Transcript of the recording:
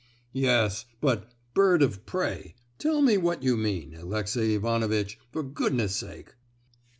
"Yes; but—bird of prey—tell me what you mean, Alexey Ivanovitch, for goodness sake!"